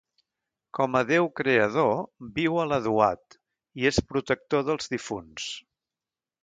Com a déu creador, viu a la Duat, i és protector dels difunts.